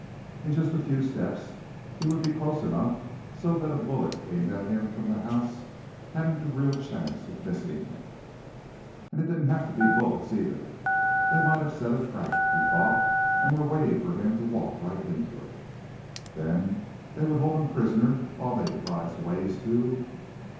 In just a few steps, he would be close enough so that a bullet aimed at him from the house hadn't a real chance of missing him. And it didn't have to be bullets, either. They might have set a trap, he thought, and were waiting for him to walk right into it. Then they would hold him prisoner while they devised ways to....